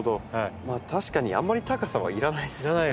確かにあんまり高さは要らないですもんね。